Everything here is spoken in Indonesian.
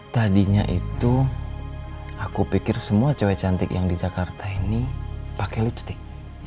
tadinya itu aku pikir semua cewek cantik yang di jakarta ini pakai lipstick